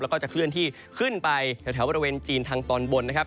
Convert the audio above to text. แล้วก็จะเคลื่อนที่ขึ้นไปแถวบริเวณจีนทางตอนบนนะครับ